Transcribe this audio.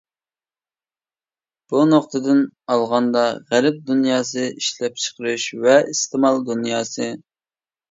بۇ نۇقتىدىن ئالغاندا غەرب دۇنياسى ئىشلەپچىقىرىش ۋە ئىستېمال دۇنياسى.